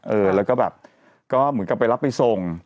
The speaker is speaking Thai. เออแล้วก็แบบก็เหมือนกับไปรับไปส่ง